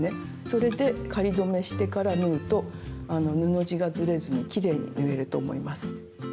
それで仮留めしてから縫うと布地がずれずにきれいに縫えると思います。